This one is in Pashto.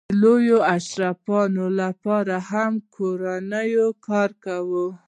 د لویو اشرافو لپاره هم کورونه کارېدل.